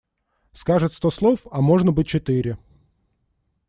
Скажет сто слов, а можно бы четыре.